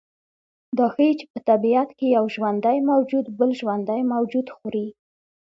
دا ښیي چې په طبیعت کې یو ژوندی موجود بل ژوندی موجود خوري